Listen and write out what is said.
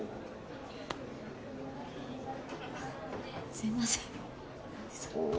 すいません。